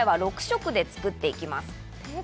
今回は６色で作っていきます。